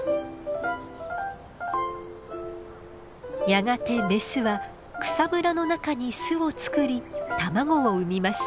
やがてメスは草むらの中に巣を作り卵を産みます。